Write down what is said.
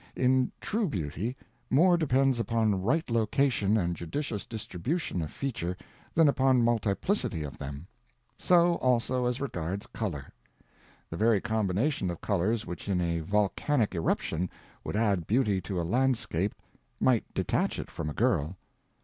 In true beauty, more depends upon right location and judicious distribution of feature than upon multiplicity of them. So also as regards color. The very combination of colors which in a volcanic irruption would add beauty to a landscape might detach it from a girl.